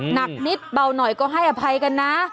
หนักนิดเบาหน่อยก็ให้อภัยกันนะ